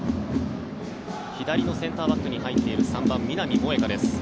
左のセンターバックに入っている３番、南萌華です。